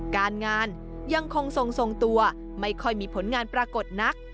การงานยังคงทรงตัวไม่ค่อยมีผลงานปรากฏนัก